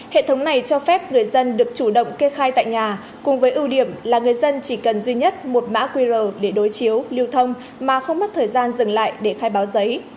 hệ thống này cho phép người dân được chủ động kê khai tại nhà cùng với ưu điểm là người dân chỉ cần duy nhất một mã qr để đối chiếu lưu thông mà không mất thời gian dừng lại để khai báo giấy